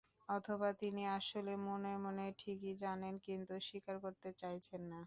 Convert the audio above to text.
অথবা তিনি আসলে মনে মনে ঠিকই জানেন, কিন্তু স্বীকার করতে চাইছেন না।